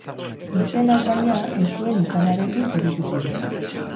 Izenak, baina, ez zuen izanarekin zerikusirik.